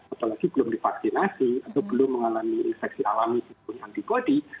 apalagi belum divaksinasi atau belum mengalami infeksi alami antibody